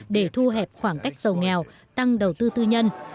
để thu hẹp khoảng cách giàu nghèo tăng đầu tư tư nhân